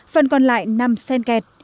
phần còn lại nằm sen kẹt